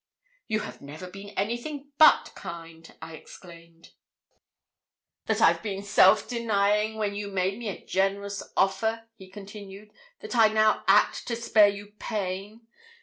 'You have never been anything but kind,' I exclaimed. 'That I've been self denying when you made me a generous offer?' he continued. 'That I now act to spare you pain?